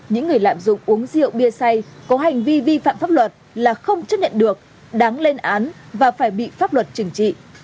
những người lạm dụng uống rượu bia xay có hành vi vi phạm pháp luật là không chấp nhận được đáng lên án và phải bị pháp luật trừng trị